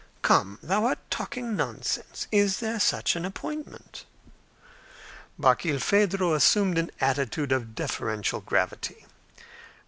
"Come! thou art talking nonsense. Is there such an appointment?" Barkilphedro assumed an attitude of deferential gravity.